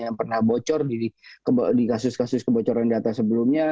yang pernah bocor di kasus kasus kebocoran data sebelumnya